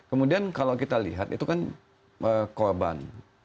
kemudian kalau kita lihat itu kan korban